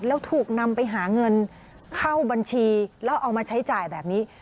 แล้วถูกนำไปหาเงินเข้าบัญชีแล้วเอามาใช้จ่ายแบบนี้